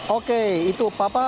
oke itu papa